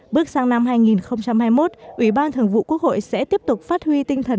bước sang năm hai nghìn hai mươi một ủy ban thường vụ quốc hội sẽ tiếp tục phát huy tinh thần